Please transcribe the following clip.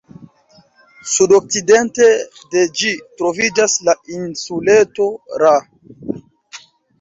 Sudokcidente de ĝi troviĝas la insuleto Ra.